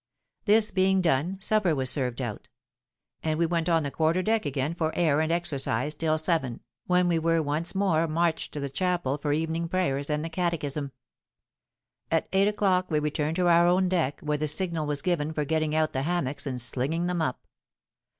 This being done, supper was served out; and we went on the quarter deck again for air and exercise till seven, when we were once more marched to the chapel for evening prayers and the catechism. At eight o'clock we returned to our own deck, where the signal was given for getting out the hammocks and slinging them up.